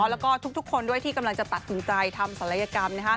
แล้วก็ทุกคนด้วยที่กำลังจะตัดสินใจทำศัลยกรรม